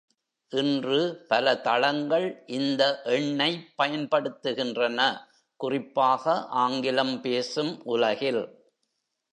இன்று பல தளங்கள் இந்த எண்ணைப் பயன்படுத்துகின்றன, குறிப்பாக ஆங்கிலம் பேசும் உலகில்.